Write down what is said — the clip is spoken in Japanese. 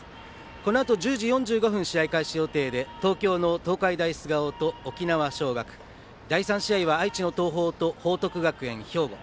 このあと１０時４５分試合開始予定で東京の東海大菅生と沖縄尚学第３試合は愛知の東邦と報徳学園・兵庫。